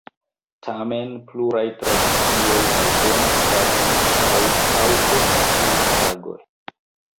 Tamen, pluraj tradicioj aldonas tagon antaŭ aŭ post tiuj tagoj.